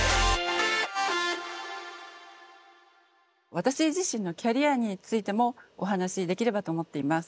私自身のキャリアについてもお話しできればと思っています。